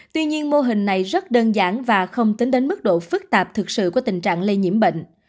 tuy nhiên mô hình này rất đơn giản và không tính đến mức độ phức tạp thực sự của tình trạng lây nhiễm bệnh